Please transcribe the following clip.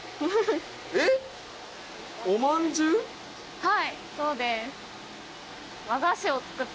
はい。